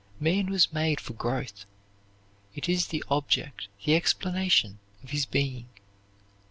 Man was made for growth. It is the object, the explanation, of his being.